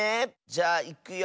じゃあいくよ。